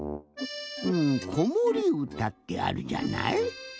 うん「こもりうた」ってあるじゃない？